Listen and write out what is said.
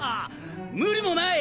無理もない。